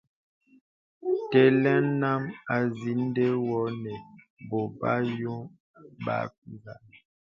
Tə̀lə nàm àsi nde wô ne bobə̄ yūŋ bəli nzə.